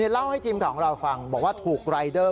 เล่าให้ทีมข่าวของเราฟังบอกว่าถูกรายเดอร์